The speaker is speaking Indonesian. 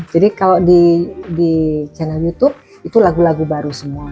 jadi kalau di channel youtube itu lagu lagu baru semua